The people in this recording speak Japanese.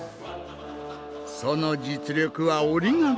その実力は折り紙付き。